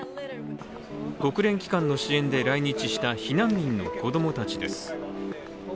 国連機関の支援で来日した避難民の子供たちです。